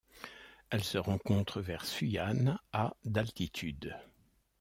Elle se rencontre vers Suyan à d'altitude.